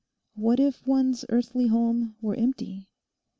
What if one's earthly home were empty?